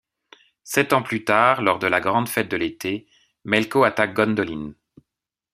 Sept ans plus tard, lors de la grande fête de l'Été, Melko attaque Gondolin.